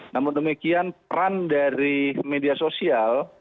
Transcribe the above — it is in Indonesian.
namun demikian peran dari media sosial